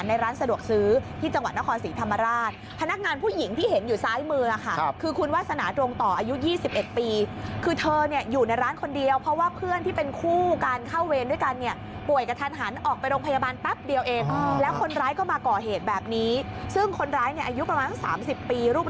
ในร้านสะดวกซื้อที่จังหวัดนครศรีธรรมราชพนักงานผู้หญิงที่เห็นอยู่ซ้ายมือค่ะคือคุณวาสนาตรงต่ออายุ๒๑ปีคือเธอเนี่ยอยู่ในร้านคนเดียวเพราะว่าเพื่อนที่เป็นคู่การเข้าเวรด้วยกันเนี่ยป่วยกระทันหันออกไปโรงพยาบาลแป๊บเดียวเองแล้วคนร้ายก็มาก่อเหตุแบบนี้ซึ่งคนร้ายเนี่ยอายุประมาณสัก๓๐ปีรูป